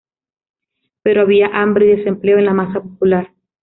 Pero había hambre y desempleo en la masa popular.